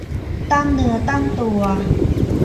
ตั้งเนื้อตั้งตัว